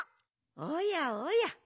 おやおや。